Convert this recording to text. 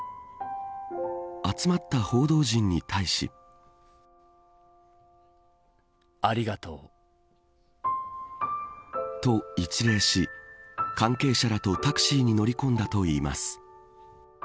集まった報道陣に対しと、一礼し関係者らとタクシーに乗り込んだといいます。